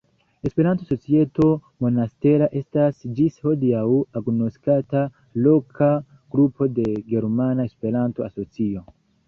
Esperanto-Societo Monastera estas ĝis hodiaŭ agnoskata loka grupo de Germana Esperanto-Asocio.